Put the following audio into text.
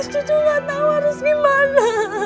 cucu gak tau harus gimana